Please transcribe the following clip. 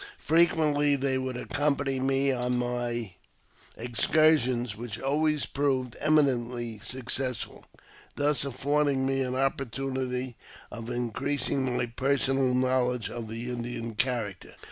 Frequently they would accompany me on my excursions (which always proved eminently successful), thus affording me an opportunity of increasing my personal know ledge of the Indian character.